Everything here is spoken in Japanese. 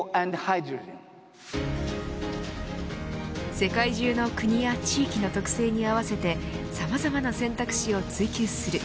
世界中の国や地域の特性に合わせてさまざまな選択肢を追及する。